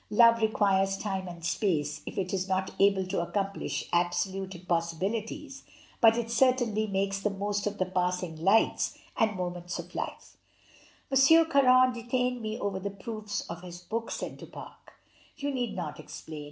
Love requires time and space, if it is not able to accomplish absolute impossibilities, but it certainly makes the most of the passing lights and moments of life. "M. Caron detained me over the proofs of his book," said Du Pare "You need not explain.